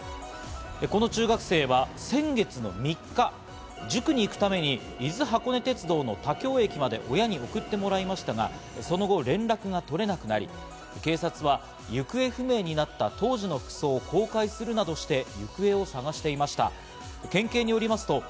この中学生は先月の３日、塾に行くために伊豆箱根鉄道の田京駅まで親に送ってもらいましたがその後、連絡が取れなくなり、警察は行方不明になった当時の服装を公開するなどして行方を捜していました。